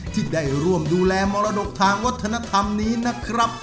ที่ได้ร่วมดูแลมรดกทางวัฒนธรรมนี้นะครับ